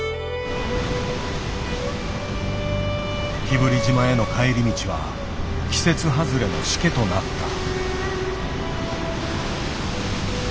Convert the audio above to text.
日振島への帰り道は季節外れのしけとなった。